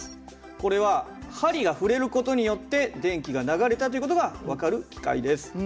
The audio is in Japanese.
これは針が振れる事によって電気が流れたという事が分かる機械です。